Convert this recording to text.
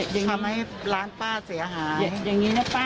อย่างงี้ทำให้ร้านป้าเสียหายอย่างงี้นะป้า